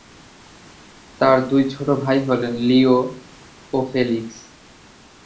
তার দুই ছোট ভাই হলেন লিও ও ফেলিক্স।